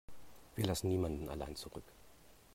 Wir lassen niemanden allein zurück.